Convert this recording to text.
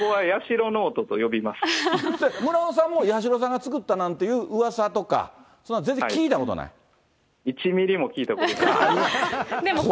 それ、村尾さんも八代さんが作ったなんていううわさとか、そんなん、１ミリも聞いたことないです。